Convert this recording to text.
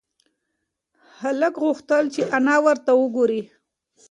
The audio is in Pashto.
هلک غوښتل چې انا ورته وگوري.